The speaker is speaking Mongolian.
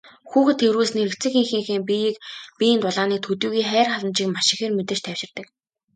Хүүхэд тэврүүлснээр эцэг эхийнхээ биеийн дулааныг төдийгүй хайр халамжийг маш ихээр мэдэрч тайвширдаг.